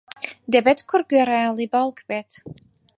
دەبێت کوڕ گوێڕایەڵی باوک بێت.